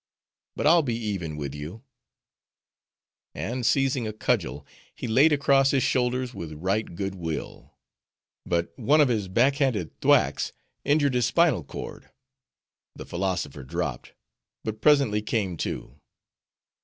But I'll be even with you;' and seizing a cudgel, he laid across his shoulders with right good will. But one of his backhanded thwacks injured his spinal cord; the philosopher dropped; but presently came to.